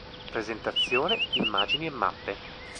Presentazione, immagini e mappe